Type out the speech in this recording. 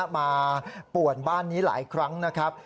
ป่วนบ้านนี้หลายครั้งนะครับ